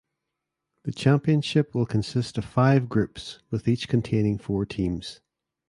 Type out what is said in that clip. The championship will consist of five groups with each containing four teams.